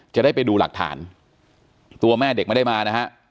จะได้ไปดูหลักฐานตัวแม่เด็กไม่ได้มานะฮะ